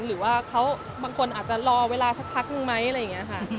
หรือว่าเขาบางคนอาจจะรอเวลาสักพักนึงไหมอะไรอย่างนี้ค่ะ